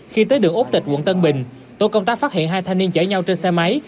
khi tới đường ốc tịch quận tân bình tổ công tác phát hiện hai thanh niên chở nhau trên xe máy